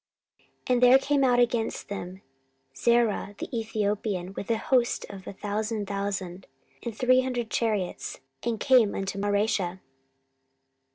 14:014:009 And there came out against them Zerah the Ethiopian with an host of a thousand thousand, and three hundred chariots; and came unto Mareshah.